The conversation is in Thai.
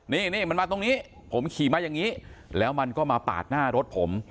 นี่มันมาตรงนี้ผมขี่มาอย่างนี้แล้วมันก็มาปาดหน้ารถผม